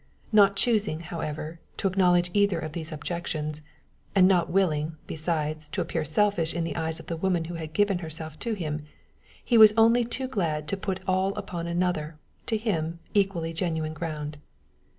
Not choosing, however, to acknowledge either of these objections, and not willing, besides, to appear selfish in the eyes of the woman who had given herself to him, he was only too glad to put all upon another, to him equally genuine ground.